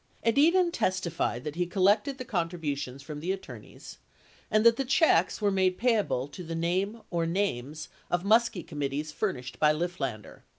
81 Edidin testified that he collected the contributions from the attor neys and that the checks were made payable to the name or names of Muskie committees furnished by Lifflander.